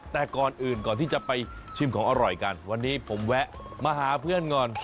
แต่ก่อนอื่นก่อนที่จะไปชิมของอร่อยกันวันนี้ผมแวะมาหาเพื่อนก่อน